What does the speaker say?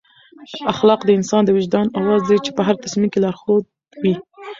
اخلاق د انسان د وجدان اواز دی چې په هر تصمیم کې لارښود وي.